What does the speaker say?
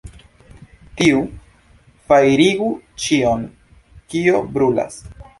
Tuj fajrigu ĉion, kio brulas!